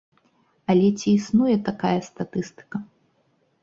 Але ці існуе такая статыстыка?